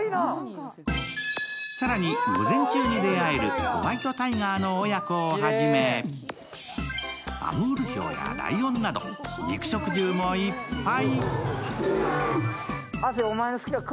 更に午前中に出会えるホワイトタイガーの親子をはじめアムールヒョウやライオンなど、肉食獣もいっぱい。